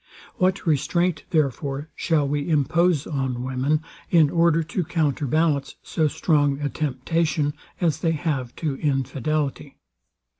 What restraint, therefore, shall we impose on women, in order to counter balance so strong a temptation as they have to infidelity?